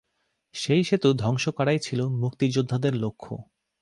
সেই সেতু ধ্বংস করাই ছিলো মুক্তিযোদ্ধাদের লক্ষ্য।